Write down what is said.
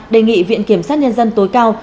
đề nghị viện kiểm sát nhân dân tối cao